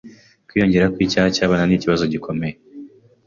Kwiyongera kwicyaha cyabana ni ikibazo gikomeye.